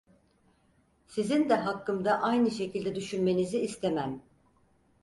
Sizin de hakkımda aynı şekilde düşünmenizi istemem…